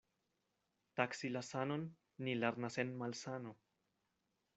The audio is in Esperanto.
Taksi la sanon ni lernas en malsano.